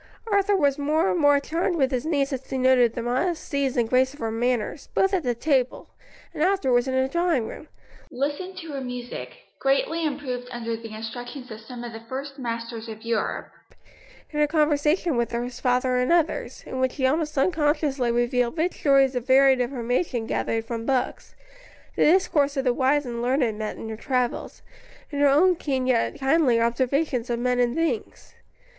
Arthur was more and more charmed with his niece as he noted the modest ease and grace of her manners, both at the table, and afterwards in the drawing room; listened to her music greatly improved under the instructions of some of the first masters of Europe and her conversation with his father and others, in which she almost unconsciously revealed rich stores of varied information gathered from books, the discourse of the wise and learned met in her travels, and her own keen yet kindly observations of men and things.